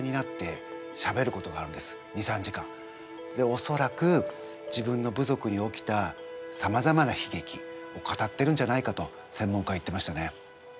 おそらく自分の部族に起きたさまざまなひげきを語ってるんじゃないかとせんもんかは言ってましたね。